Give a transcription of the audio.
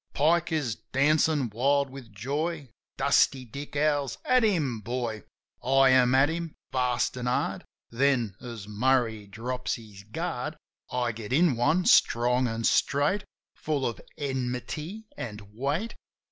Pike is dancin' wild with joy; Dusty Dick howls, "At him, boy!" I am at him, fast an' hard. Then, as Murray drops his guard, I get in one, strong an' straight, Full of enmity an' weight.